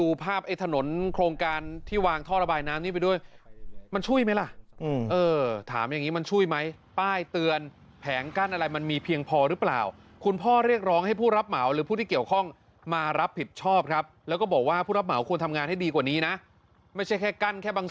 กับการเข้าสร้างเข้าหว่าความปลอดภัยของประชาชนมันมีตรงไหนมั้ง